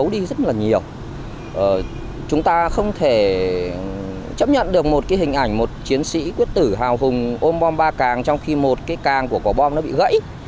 để chấp nhận được một cái hình ảnh một chiến sĩ quyết tử hào hùng ôm bom ba càng trong khi một cái càng của quả bom nó bị gãy